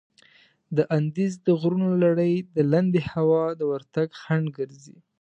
د اندیز د غرونو لړي د لندې هوا د ورتګ خنډ ګرځي.